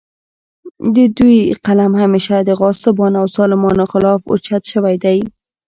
د دوي قلم همېشه د غاصبانو او ظالمانو خالف اوچت شوے دے